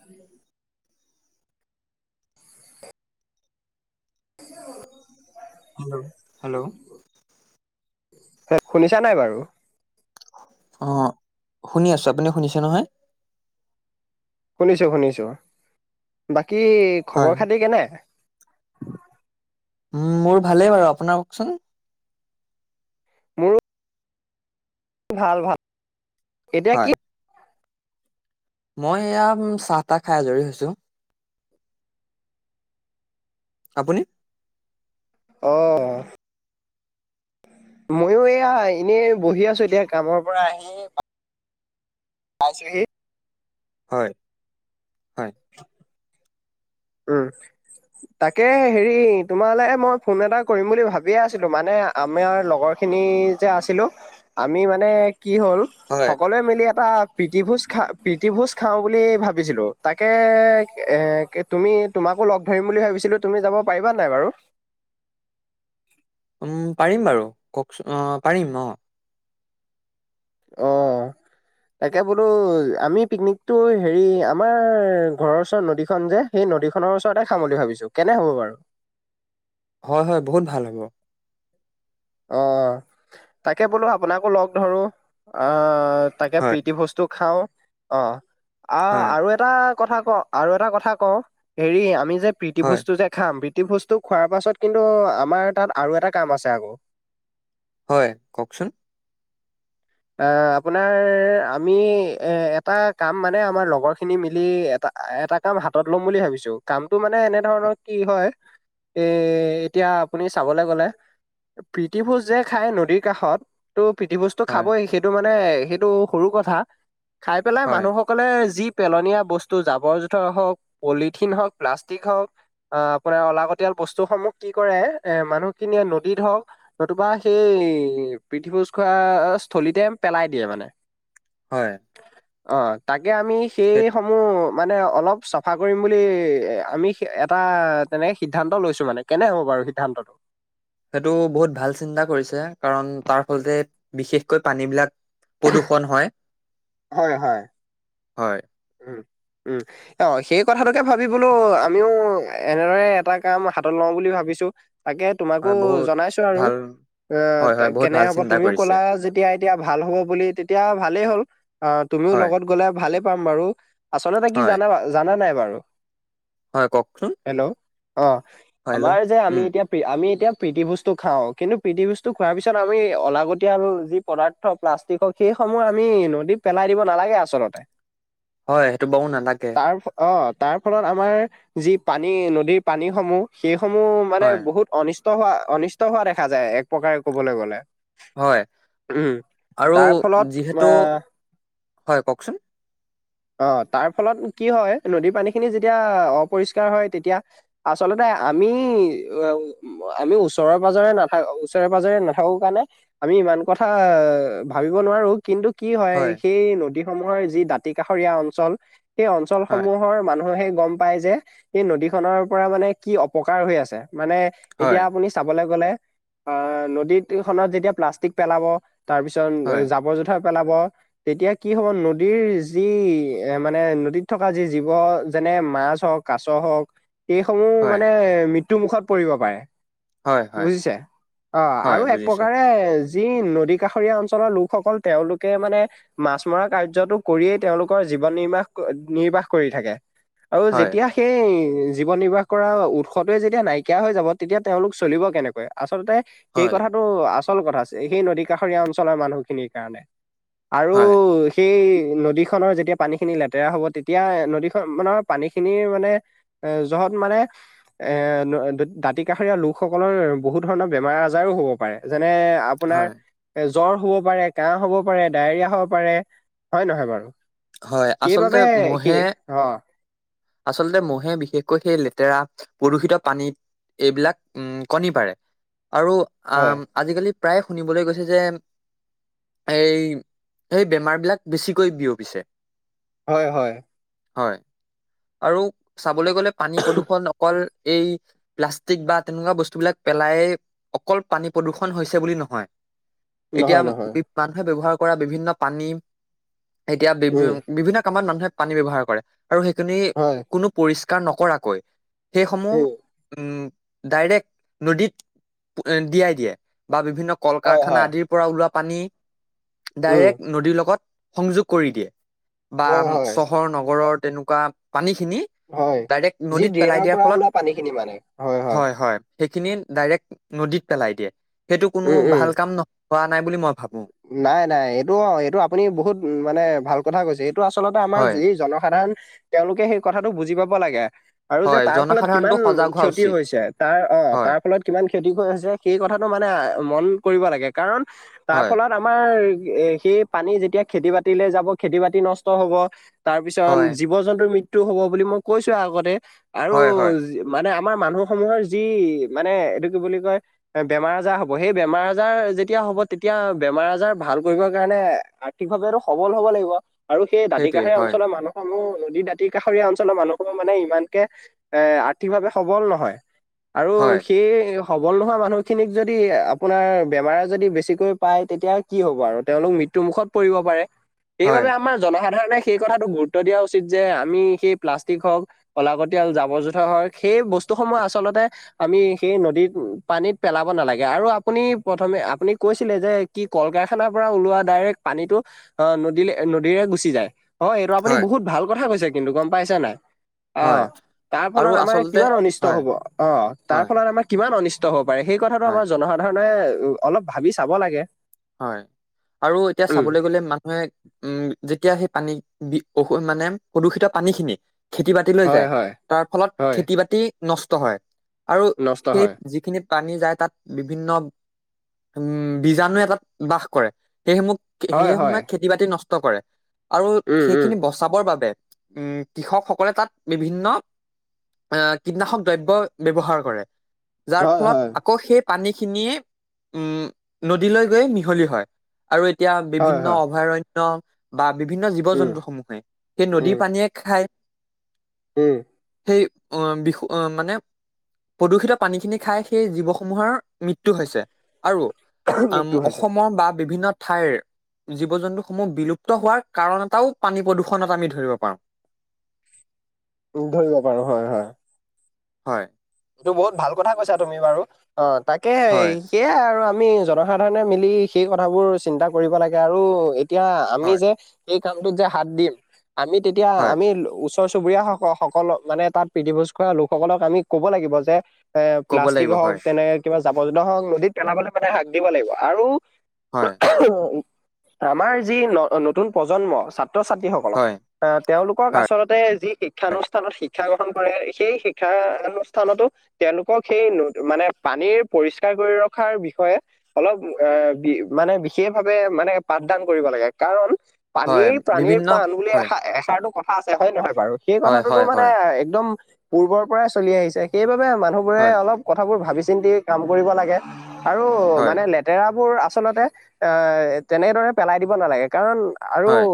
আ হ [unintelligible] hello hello শুনিছা নাই বাৰু? অ শুনি আছো। আপুনি শুনিছে নহয়। শুনিছো শুনিছো বাকী হয় খবৰ খাতি কেনে উ মোৰ ভালেই বাৰু আপোনাক কওঁকচোন। মোৰো ভাল -ভাল এতিয়া হয় কি? মই এয়া চাহ -তাহ খাই আজৰি হৈছো। আপুনি? অঁ মইো এয়া এনেই বহি আছো এতিয়া কামৰ পৰা আহি পাইছোহি। হয়। হয় উম তাকে হেৰি তোমালৈ মই ফোন এটা কৰিম বুলি ভাবিয়ে আছিলো মানে। আমাৰ লগৰ খিনি যে আছিলো আমি মানে কি হ'ল হয় সকলোৱে মি এটা প্ৰীতিভোজ, খা প্ৰীতি ভোজ, খাওঁ বুলি ভাবিছিলো তাকে এ তুমি তোমাকো লগ ধৰিম বুলি ভাবিছিলো তুমি যাব পাৰিবা নাই বাৰু। উম পাৰিম বাৰু কওকচোন অ পাৰিম অ অ তাকে বোলো আমি পিকনিকটো হেৰি আমাৰ ঘৰৰ ওচৰ নদীখন যে সেই নদীখনৰ ওচৰতে খাম বুলি ভাবিছো কেনে হ'ব। বাৰু হয় হয় বহুত ভাল হ'ব। অ তাকে বোলো আপোনাকো লগ ধৰো। অ তাকে হয় প্ৰীতি বস্তু খাওঁ অ আহ হয় আৰু এটা এটা কথা ক আৰু এটা কথা ক হেৰি আমি যে হয় প্ৰীতিভোস্তু, যে খাম। বস্তু খোৱাৰ পাছত কিন্তু আমাৰ তাত আৰু এটা কাম আছে আকৌ। হয় কওঁকচোন? অ আপোনাৰ আমি এ এটা কাম মানে আমাৰ লগৰ খিনি মিলি এটা এটা কাম হাতত ল'ম বুলি ভাবিছো কামটো মানে এনে ধৰণৰ কি হয়। এ এতিয়া আপুনি চাবলৈ গ'লে। প্ৰীতিভোজ যে খাই নদীৰ কাষত ত' প্ৰীতিভোজ। হয় খাবই সেইটো মানে সেইটো সৰু কথা খাই পেলাই হয় মানুহক সকলে যি পেলনীয়া বস্তু জাবৰ -জোথৰ হওক পলিথিন, হওক প্লাষ্টিক, হওক আহ আপোনাৰ অলাগটীয়াল বস্তুসমূহ কি কৰে এ মানুহখিনিয়ে নদীত, হওক- নতুবা সেই প্ৰীথিভোজ খোৱা স্থলীতে পেলাই দিয়ে মানে। হয়। অ তাকে আমি সেই সেইটো সমূহ মানে অলপ চাফা কৰিম বুলি আমি এটা তেনেকৈ সিদ্ধান্ত লৈছোঁ মানে। কেনে হ'ব বাৰু সিদ্ধান্তটো সেইটো বহুত ভাল চিন্তা কৰিছে কাৰণ তাৰ ফলতে বিশেষকৈ পানী, বিলাক প্ৰদূষণ, হয়। হয় হয়। হয়। উম উম। অ সেই কথাটোকে ভাবি বোলো আমিও এনেদৰে এটা কাম হাতত লও বুলি ভাবিছোঁ। তাকে তোমাকো হয় বহুত জনাইছো আৰু। ভাল হয় আহ হয় বহুত কেনে ভাল হ'ব চিন্তা তুমিও কৰিছে ক'লা যেতিয়া এতিয়া ভাল হ'ব বুলি তেতিয়া ভালেই হ'ল। অ তুমিও হয় লগত গ'লে ভালেই। পাম বাৰু আচলতে কি হয়, জা জানা নাই বাৰু। হয় কওকচোন। হেল্ল' অ হয় হেল্ল' আমাৰ। যে আমি উম, এতিয়া আমি এতিয়া প্ৰীতিভোজতু খাওঁ কিন্তু প্ৰীতিভোস্তু খোৱাৰ পিছত আমি অলাগতিয়াল যি। পদাৰ্থ প্লাষ্টিক হক সেইসমূহ আমি নদীত পেলাই দিব নালাগে আচলতে। হয় সেইটো বাও নালাগে। তাৰ অ তাৰ ফলত আমাৰ যি পানী ন পানী সমূহ সেইসমূহ। মানে হয়, বহুত অনিষ্ট হোৱা অনিষ্ট হোৱা দেখা যায় এক প্ৰকাৰে কবলৈ গ'লে। হয় উম আৰু তাৰ ফলত যিহেতু আহ হয় কওকচোন। অ তাৰ ফলত কি হয় নদীৰ পানী খিনি যেতিয়া অপৰিষ্কাৰ হয় তেতিয়া। আচলতে আমি অ। আমি ওচৰে পাজৰে নাথাকো ওচৰে পাজৰে নাথাকো কাৰণে। আমি ইমান কথা ভাবিব নোৱাৰো কিন্তু। কি হয় সেই নদীসমূহৰ যি দাঁতি কাষৰীয়া অঞ্চল। সেই হয়, অঞ্চলসমূহৰ মানুহে হে গম। পাই যে এই নদীখনৰ পৰা মানে কি অপকাৰ হৈ আছে মানে এতিয়া হয়, আপুনি। চাবলৈ গ'লে অ নদীত তিল খনত প্লাষ্টিক পেলাব তাৰ পিছত হয়, জাবৰ যোথৰ। থৈ পেলাব তেতিয়া কি হ'ব নদীৰ। যি এ মানে নদীত থকা যি জীৱ যেনে মাছ হওক কাছ হওক। এইসমূহ হয়, মানে মৃত্যু মুুখত পৰিব পাৰে। হয়, হয়, বুজিছে অ হয় আৰু এক বুজিছো প্ৰকাৰে। যি নদী কাষৰীয়া অঞ্চলৰ লোকসকল তেওঁলোকে মানে মাছ মৰা কাৰ্যটোক। কৰিয়েই তেওঁলোকৰ জীৱন নিৰ্বাহ নিৰ্বাহ কৰি থাকে আৰু হয়, যেতিয়া সেই। জীৱন নিৰ্বাহ কৰা উৎসৱটোৱে যেতিয়া নাইকিয়া হৈ যাব তেতিয়া তেওঁলোক চলিব কেনেকৈ আচলতে। সেই হয়, কথাটো আচল কথা আছে সেই নদী কাষৰীয়া অঞ্চলটোৰ মানুহখিনিৰ কাৰণে। আৰু হয়, সেই। নদীখনৰ যেতিয়া পানী খিনি লেতেৰা হব তেতিয়া নদীখন মানৰ পানী খিনিৰ মানে। এ য'ত মানে। এ দাঁতি কাষৰীয়া লোকসকলৰ বহুত ধৰণৰ বেমাৰ আজাৰো হ'ব পাৰে যেনে। আপোনাৰ হয়, জ্বৰ হ'ব পাৰে কাহ হ'ব পাৰে ডায়েৰিয়া হ'ব পাৰে। হয় নহয় বাৰু হয় আচলতে সেইবাবে মহে সেই অ। আচলতে মহে বিশেষকৈ সেই লেতেৰা প্ৰদূষিত পানীত। এইবিলাক উম কণী পাৰে আৰু হয় আম আজিকালি প্ৰায়ে শুনিবলৈ গৈছে যে। এই সেই বেমাৰ বিলাক বেছিকৈ বিয়পিছে। হয় হয়। হয় আৰু চাবলৈ গ'লে পানী প্ৰদূষণ অকল। এই প্লাষ্টিক বা তেনেকুৱা বস্তুবিলাক পেলাই। অকল পানী প্ৰদূষণ হৈছে বুলি নহয়। এতিয়া নহয় নহয় মানুহে ব্যৱহাৰ কৰা বিভিন্ন পানী এতিয়া। বি উম বিভিন্ন কামত মানুহে পানী ব্যৱহাৰ কৰে আৰু সেইখিনি হয় কোনো। পৰিষ্কাৰ নকৰাকৈ সেইসমূহ উম উম ডাইৰেক্ নদীত দিয়াই দিয়ে বা বিভিন্ন কল হয় কাৰখানা হয় আদিৰ পৰা ওলোৱা পানী উম ডাইৰেক্ট নদীৰ লগত সংযোগ কৰি দিয়ে বা হয় হয় চহৰ নগৰৰ তেনেকুৱা পানী খিনি হয় ডাইৰেক্ট যি নদীত পেলাই ড্ৰেইনৰ দিয়াৰ পৰা ফলত ওলোৱা পানীখিনি মানে হয় হয় সেইখিনি ডাইৰেক নদীত পেলাই দিয়ে সেইটো কোনো উম উম ভাল কাম ন হোৱা নাই বুলি মই ভ নাই নাই এইটো অ এইটো আপুনি বহুত মানে ভাল কথা কৈছে এইটো টো আচলতে আমাৰ য হয় জনসাধাৰণ তেওঁলোকে সেই কথাটো বুজি পাব লাগে আৰু যে হয় তাৰ ফলত জনসাধাৰণটো কিমান সজাগ হোৱা ক্ষতি উচিত হৈছে তাৰ অ হয় তাৰ ফলত কিমান খেতি কৰিছে সেই কথাটো মানে মন কৰিব লাগে কাৰণ তাৰ হয় ফলত আমাৰ সেই পানী যেতিয়া খেতি বাতিলে যাব খেতি বাতি নষ্ট হব তাৰ পিছত হয় জীৱ জন্তুৰ মৃত্যু হ'ব বুলি মই কৈছো আগতে আৰু হয় হয় মানে আমাৰ মানুহ সমূহৰ যি মানে এইটো কি বুলি কয় বেমাৰ আজাৰ হ'ব সেই বেমাৰ আজাৰ যেতিয়া হ'ব তেতিয়া বেমাৰ আজাৰ ভাল কৰিবৰ কাৰণে আৰ্থিক ভাৱটো সবল হব লাগিব আৰু সেই দাঁতি সেইটোৱে কাষৰীয়া হয় অঞ্চলৰ মানুহসমূহ নদীৰ দাঁতি কাষৰীয়া অঞ্চলৰ মানুহসমূহ মানে ইমানকে এ আৰ্থিকভাৱে সবল নহয় আৰু হয় সেই সবল নোহোৱা মানুহখিনিক যদি আপোনাৰ বেমাৰ যদি বেছি পাই তেতিয়া কি হ'ব আৰু তেওঁলোক মৃত্যু মুুখত পৰিব পাৰে হয় সবাবে আমাৰ জনসাধাৰণে সেই কথাটো গুৰুত্ব দিয়া উচিত যে আমি সেই প্লাষ্টিক হওক ওলাগতিয়াল জাবৰ জোথৰ হয় সেই বস্তুসমূহ আচলতে আমি সেই নদীত পানীত পেলাব নালাগে আৰু আপুনি প্ৰথমে আপুনি কৈছিলে যে কি কল কাৰখানাৰ পৰা ওলোৱা ডাইৰেক্ট পানীটো অ নদী-নদীৰে গুচি যায় হয় এইটো আপুনি বহুত ভাল কথা কৈছে কিন্তু গম পাইছে নাই অ হয় তাৰ আৰু ফলত আমাৰ আচলতে কিমান অনিষ্ট হয় হব আহ তাৰ হয় ফলত আমাৰ কিমান অনিষ্ট হ'ব পাৰে সেই কথাটো হয় আমাৰ জনসাধাৰণে অলপ ভাবি চাব লাগে হয় আৰু এতিয়া উম চাবলৈ গলে মানুহে উম যেতিয়া সেই পানী অশো মানে প্ৰদূষিত পানী খিনি খেতি বাতি হৈ হয় যায় হয় তাৰ ফলত হয় খেতি-বাতি নষ্ট হয় আৰু নষ্ট সেই হয় যিখিনি পানী যায় তাত বিভিন্ন উম বীজাণুে এটাত বাস কৰে সেইসমূহ সেই হয় হয় সময়ত খেতি বাতি নষ্ট কৰে আৰু উম উম সেইখিনি বচাবৰ বাবে উম কৃষকসকলে তাত বিভিন্ন আহ কীটনাশক দ্ৰব্য ব্যৱহাৰ কৰে যাৰ হয় হয় ফলত আকৌ সেই পানীখিনিয়ে উম নদীলৈ গৈ মিহলি হয় আৰু এতিয়া হয় বিভিন্ন হয় অভয়াৰণ্য বা বিভিন্ন উম জীৱ-জন্তু সমূহে সেই নদীৰ উম পানীয়ে খায় উম সেই অ বিষো মানে প্ৰদূষিত পানীখিনি খাই সেই জীৱসমূহৰ মৃত্যু হৈছে আৰু উম মৃত্যু হৈছে অসম বা বিভিন্ন ঠাইৰ জীৱ জন্তু সমূহ বিলুপ্ত হোৱাৰ কাৰণ এটাও পানী প্ৰদূষণত আমি ধৰিব পাৰো ধৰিব পাৰো হয়-হয় হয় এইটো বহুত ভাল কথা কৈছা তুমি বাৰু অ তাকে হেই হয় সেয়াই আৰু আমি জনসাধাৰণে মিলি সেই কথাবোৰ চিন্তা কৰিব লাগে আৰু তেতিয়া আমি হয় যে এই কামটোত যে হাত দিম আমি তেতিয়া হয় আমি ওচ ওচৰ চুবুৰীয়া স-সকলক মানে তাত প্ৰীতিভোজ কৰা লোকসকলক আমি ক'ব লাগিব যে এ ক'ব প্লাষ্টিক লাগিব হওক হয় তেনে কিবা জাবৰ-জোথৰ হওক নদীত পেলাবলে মানে হাক দিব লাগিব আৰু হয়। আমাৰ যি নতুন প্ৰজন্ম ছাত্ৰ-ছাত্ৰীসকলক হয় আ তেওঁলোকক হয় আচলতে যি শিক্ষানুষ্ঠানত শিক্ষা গ্ৰহণ কৰে সেই শিক্ষানু স্থানতো তেওঁলোকক সেই মানে পানীৰ পৰিষ্কাৰ কৰি ৰখাৰ বিষয়ে অলপ এ মানে বিশেষভাৱে মানে পাঠদান কৰিব লাগে কাৰণ হয় পানীৰ প্ৰাণীৰ বিভিন্ন পাণ বুলি এ হয় এখাৰটো কথা আছে হয়নে নহয় বাৰু? সেই হয় কথাটোতো হয় মানে হয় একদম পূৰ্বৰ পৰাই চলি আহিছে সেইবাবে মানুহবোৰে হয় অলপ কথাবোৰ ভাবি চিন্তি কাম কৰিব লাগে আৰু হয় মানে লেত লেতেৰাবোৰ আচলতে এ তেনেদৰে পেলাই দিব নালাগে কাৰণ আৰু হয়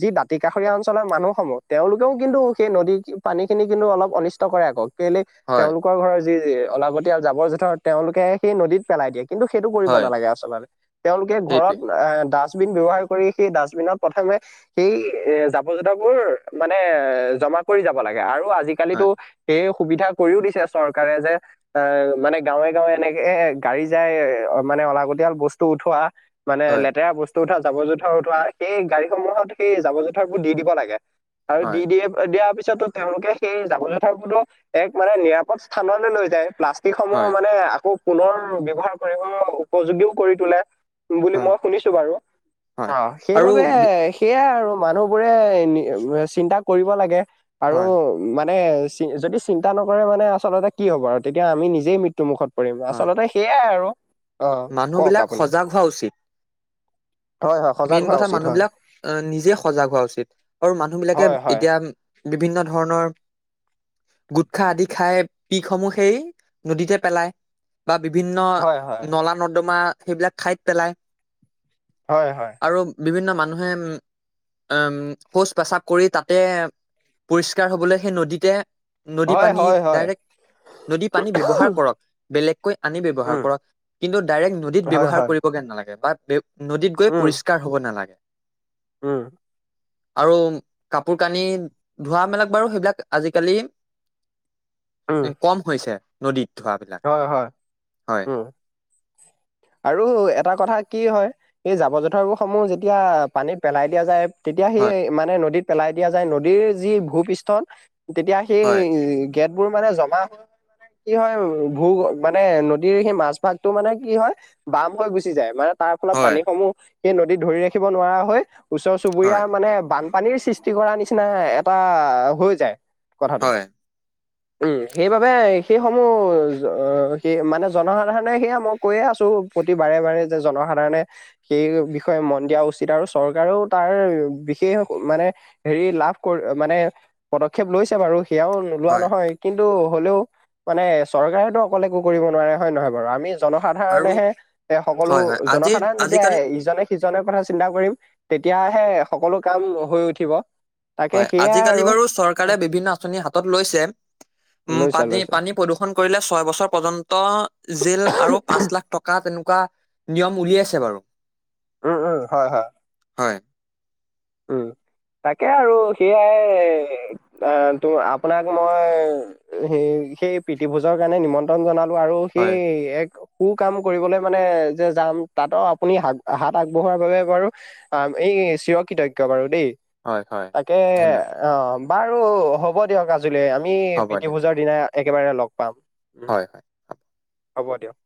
যি দাঁতি কাষৰীয়া অঞ্চলৰ মানুহসমূহ তেওঁলোকেও কিন্তু সেই নদী পানীখিনি কিন্তু অলপ অনিচ কৰে আক কেলে হয় তেওঁলোকৰ ঘৰৰ যি-যি অলাগতিয়াল জাবৰ-জোথৰ তেওঁলোকে সেই নদীত পেলাই দিয়ে কিন্তু সেইটো কৰিব হয় নালাগে আচলতে তেওঁলোকে ঘৰত সেইটোৱে এ ডাষ্টবিন ব্যৱহাৰ কৰি সেই ডাষ্টবিনত প্ৰথমে সেই জাবৰ জোথৰবোৰ মানে এ জমা কৰি যাব লাগে আৰু আজি আজিকালিতো হয় সেই সুবিধা কৰিও দিছে চৰকাৰে যে মানে গাঁৱে গাঁৱে এনেকে গাড়ী যায় মানে অলাগতিয়াল বস্তু উঠোৱা মানে হয় লেতেৰা বস্তু উঠোৱা জাবৰ জোঁথৰ উঠোৱা সেই গাড়ীসমূহত সেই জাবৰ জোঁথৰবোৰ দি দিব লাগে আৰু হয় দি দিয়ে দিয়াৰ পিছতো তেওঁলোকে সেই জাবৰ জোথৰবোৰ ত এক মানে নিৰাপদ স্থানলৈ লৈ যায় প্লাষ্টিকসমূহ হয় মানে আকৌ পুনৰ ব্যবহাৰ কৰিব উপযোগীও কৰি তোলে বুলি হয় মই শুনিছো বাৰু হয় অ আৰু সেইবাবে বি- সেয়াই আৰু মানুহবোৰে চিন্তা কৰিব লাগে আৰু হয় মানে যদি চিন্তা নকৰে মানে আচলতে কি হ'ব আৰু তেতিয়া আমি নিজেই মৃত্যু মুুখত হয় আচলতে সেইয়াই আৰু অ মানুহ কওক বিলাক আপুনি সজাগ হোৱা উচিত হয় হয় সজাগ মেইন হোৱা কথা উচিত মানুহ হয় বিলাক নিজে সজাগ হোৱা উচিত আৰু মানুহ বিলাকে হয় হয় এতিয়া বিভিন্ন ধৰণৰ গুটখা আদি খাই পিকসমূহ সেই নদীতে পেলায় বা বিভিন্ন হয় হয় নলা নৰ্দমা সেইবিলাক ঠাইত পেলায় হয়-হয় আৰু বিভিন্ন মানুহে উম শৌচ প্ৰসাৱ কৰি তাতে পৰিষ্কাৰ হবলে সেই নদীতে নদী হয় পানী হয় হয় ডাইৰেক্ট নদী পানী ব্যৱহাৰ কৰক বেলেগকৈ আনি ব্যৱহাৰ উম কৰক কিন্তু ডাইৰেক্ট নদীত হয় ব্যৱহাৰ হয় কৰিবগে নালাগে বা নদীত গৈ উম পৰিষ্কাৰ হ'ব নালাগে। উম আৰু কাপোৰ কানি ধোৱা মেলাক বাৰু সেইবিলাক আজিকালি [inaudible] কম হৈছে নদীত ধোঁৱা বিলাক হয় হয় হয় উম আৰু এটা কথা কি হয় এই জাবৰ জোঁথৰবোৰ সমূহ যেতিয়া পানীত পেলাই দিয়া যায় তেতিয়া হয় সেই মানে নদীত পেলাই দিয়া যায় নদীৰ যি ভূপৃষ্ঠল তেতিয়া হয় সেই গেটবোৰ মানে জমা হয় হয় কি হয় ভূ মানে নদীৰ সেই মাছ ভাগটো মানে কি হয় বাম হৈ গুচি যায় মানে তাৰ ফলত হয় পানীসমূহ, সেই নদীত ধৰি ৰাখিব নোৱাৰা হয় ওচৰ-চুবুৰীয়া হয় মানে বানপানীৰ সৃষ্টি কৰা নিচিনাই এটা হৈ যায়। কথাটো হয়, উম, সেইবাবে সেইসমূহ মানে জনসাধাৰণে সেয়া মই কৈয়ে আছো টো, প্ৰতি বাৰে-বাৰে যে জনসাধাৰণে সেই বিষয়ে মন দিয়া উচিত আৰু চৰকাৰেও তাৰ, বিশেষ মানে হেৰি, লাভ কৰি, মানে পদক্ষেপ লৈছে বাৰু সেয়াও লোৱা হয় নহয় কিন্তু হ'লেও, মানে চৰকাৰেতো অকলে একো কৰিব নোৱাৰে হয় নে নহয় বাৰু? আমি জন আৰু সাধাৰণেহে, এ, সকলো হয়, হয় আজিৰ জনসাধাৰণ যেতিয়া আজিকালি ইজনে সিজনে কথা চিন্তা কৰিম, তেতিয়াহে সকলো কাম হৈ উঠিব। তাকে হয়, সেয়াই আজিকালি আৰু বাৰু চৰকাৰে বিভিন্ন আঁচনি হাতত লৈছে। উম, লৈছা পানী, লৈছা পানী প্ৰদূষণ কৰিলে ছয় বছৰ পৰ্যন্ত জেল আৰু পাঁচ লাখ টকা তেনেকুৱা নিয়ম উলিয়াইছে বাৰু। উম, উম। হয়, হয়। হয়। উম, তাকে আৰু সেয়াই কাৰণটো আপোনাক মই, সেই, সেই প্ৰীতিভোজৰ কাৰণে নিমন ন্ত্ৰণ জনালো আৰু সেই হয়, এক কু-কাম কৰিবলৈ মানে, যে যাম, তাতো আপুনি হাত, হাত আগবঢ়োৱাৰ বাবে বাৰু আম, এই চিৰকৃতজ্ঞ তজ্ঞ বাৰু দেই, হয়, হয় তাকে ধন্যবাদ অ', বাৰু হ'ব দিয়ক আজ জুলে আমি হ'ব দিয়ক প্ৰীতিভোজৰ দিনা একেবাৰে লগ পাম উম, হয়। হ'ব দিয়ক।